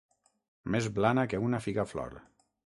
Més blana que una figaflor.